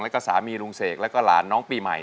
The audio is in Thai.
แล้วก็สามีลุงเสกแล้วก็หลานน้องปีใหม่